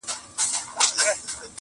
په موسكا او په تعظيم ورته ټگان سول٫